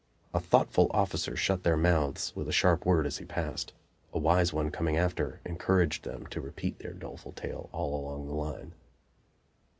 A thoughtful officer shut their mouths with a sharp word as he passed; a wise one coming after encouraged them to repeat their doleful tale all along the line.